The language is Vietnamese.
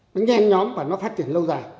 nó nhen nhóm và nó phát triển lâu dài